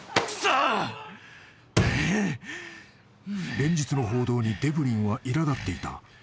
［連日の報道にデブリンはいら立っていた］